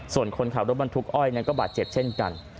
ส่วนคนขับรถบรรทุกอ้อยนั้นก็บาดเจ็บเช่นกัน